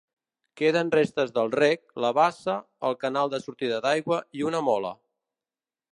Queden restes del rec, la bassa, el canal de sortida d'aigua i una mola.